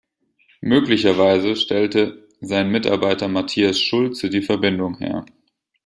Möglicherweise stellte sein Mitarbeiter Matthias Schultze die Verbindung her.